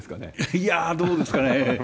いやー、どうですかね。